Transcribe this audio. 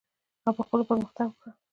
او په خپله پرمختګ وکړه.